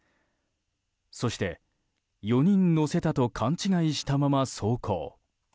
そして４人乗せたと勘違いしたまま走行。